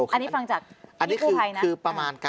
อันนี้ฟังจากพี่คู่ไพนะ